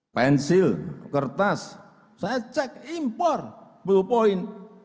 pensil kertas saya cek impor sepuluh poin